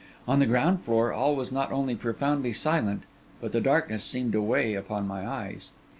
On the ground floor all was not only profoundly silent, but the darkness seemed to weigh upon my eyes.